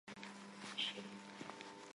Այժմ այն վերականգնվումէ։